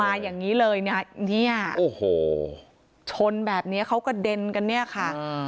อย่างนี้เลยเนี่ยโอ้โหชนแบบนี้เขากระเด็นกันเนี่ยค่ะ